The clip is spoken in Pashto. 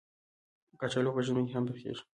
کچالو په ژمي کې هم پخېږي